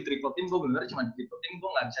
triple team gue beneran cuma di triple team gue gak bisa